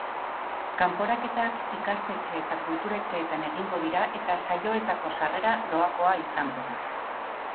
Kanporaketak ikastetxe eta kultur etxeetan egingo dira eta saioetako sarrera doakoa izango da.